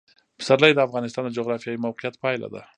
پسرلی د افغانستان د جغرافیایي موقیعت پایله ده.